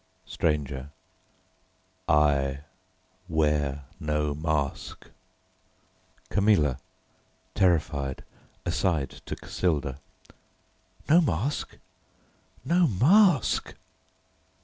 STRANGER: I wear no mask. CAMILLA: (Terrified, aside to Cassilda.) No mask? No mask!